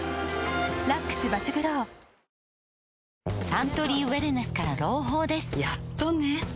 サントリーウエルネスから朗報ですやっとね